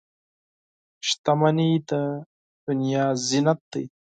• شتمني د دنیا زینت دی.